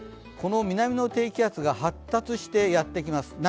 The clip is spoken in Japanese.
この南の低気圧が発達してやってきます。